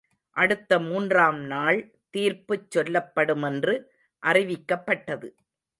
அடுத்த மூன்றாம் நாள் தீர்ப்புச் சொல்லப்படுமென்று அறிவிக்கப்பட்டது.